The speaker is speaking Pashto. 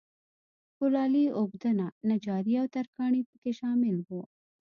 کولالي، اوبدنه، نجاري او ترکاڼي په کې شامل وو